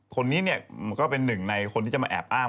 คนนี้ก็เป็นหนึ่งในคนที่จะมาแอบอ้าง